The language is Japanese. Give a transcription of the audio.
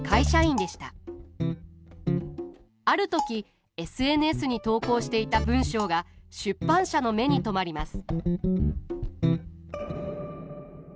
ある時ＳＮＳに投稿していた文章が出版社の目に留まります。